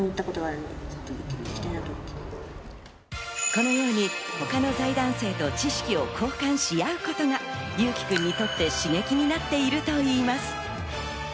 このように他の財団生と知識を交換し合うことが侑輝くんにとって刺激になっているといいます。